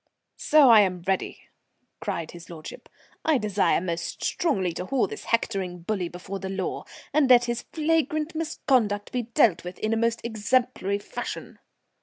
"So am I ready," cried his lordship. "I desire most strongly to haul this hectoring bully before the law, and let his flagrant misconduct be dealt with in a most exemplary fashion."